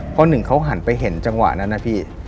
เพราะหนึ่งเขาหันไปเห็นจังหวะนั้นนะพี่